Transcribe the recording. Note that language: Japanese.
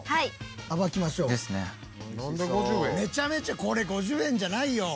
めちゃめちゃこれ５０円じゃないよ！